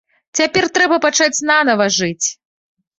Цяпер трэба пачаць нанава жыць.